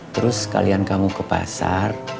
terus sekalian kamu ke pasar